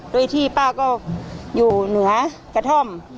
โดยที่ป้าก็อยู่เหนือกระท่อม